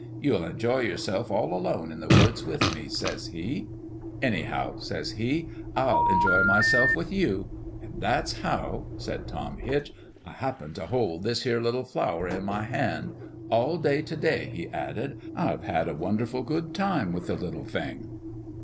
You'll enjoy yourself all alone in the woods with me,' says He. * Anyhow,' says He, * I'll enjoy myself with you? An' that's how," said Tom Hitch, " I happen t' hold this here little flower in my hand. All day t' day," he added, " I've had a wonderful good time with the little thing."